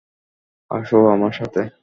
আসো আমার সাথে।